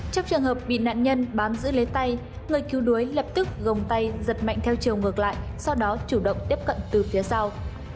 trong trường hợp bị nạn nhân bám giữ lấy tay người cứu đuối lập tức gồng tay giật mạnh theo chiều ngược lại sau đó chủ động tiếp cận từ phía sau